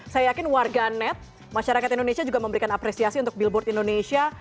saya yakin warga net masyarakat indonesia juga memberikan apresiasi untuk billboard indonesia